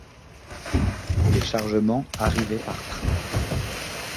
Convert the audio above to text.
Les chargements arrivaient par train.